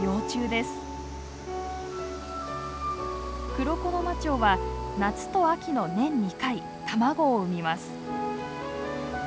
クロコノマチョウは夏と秋の年２回卵を産みます。